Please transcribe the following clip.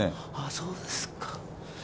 そうですか。